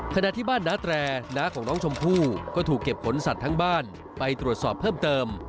ขณะที่บ้านน้าแตรน้าของน้องชมพู่ก็ถูกเก็บขนสัตว์ทั้งบ้านไปตรวจสอบเพิ่มเติม